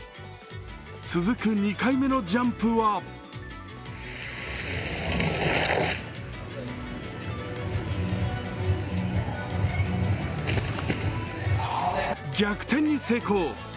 続く２回目のジャンプは逆転に成功。